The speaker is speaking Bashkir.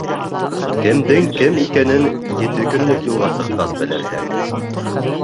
Кемдең кем икәнен ете көнлөк юлға сыҡҡас белерһең.